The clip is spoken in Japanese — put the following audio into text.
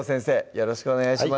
よろしくお願いします